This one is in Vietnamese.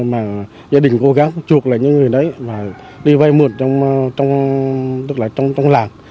mà gia đình cố gắng chuộc lại những người đấy và đi vây mượn trong làng